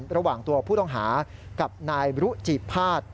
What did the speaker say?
ระหว่างตัวผู้ต้องหากับนายบรุจิภาษณ์